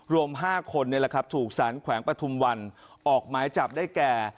รวม๕คนถูกสร้างแขวงปทุมวันออกหมายจับได้แก่